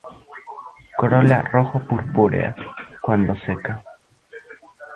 Corola rojo-purpúrea cuando seca.